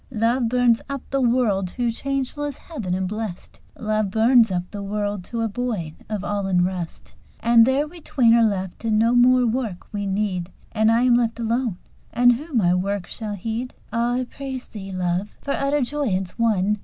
Love burns up the world to changeless heaven and blest, "Love burns up the world to a void of all unrest." And there we twain are left, and no more work we need: "And I am left alone, and who my work shall heed?" Ah! I praise thee, Love, for utter joyance won!